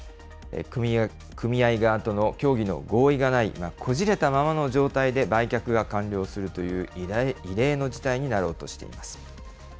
組合側との協議の合意がないこじれたままの状態で売却が完了するという異例の事態になろうとしています。